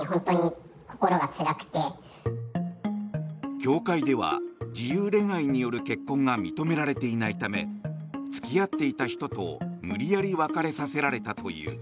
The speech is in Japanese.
教会では自由恋愛による結婚が認められていないため付き合っていた人と無理やり別れさせられたという。